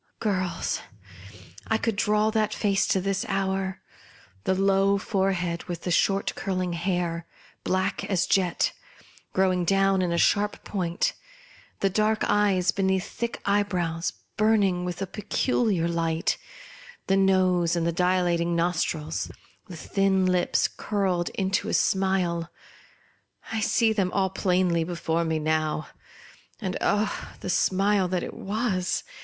Girls, I could draw that face to this hour ! The low fore head, with the short curling hair, black as jet, growing down in a sharp point ; the dark eyes, beneath thick eye brows, burning with a peculiar light; the nose and the dilating nostrils ; the thin lips, curling into a smile, I see them all plainly before me now. And — 0, the smile that it was